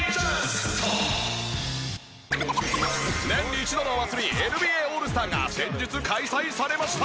年に一度のお祭りＮＢＡオールスターが先日開催されました。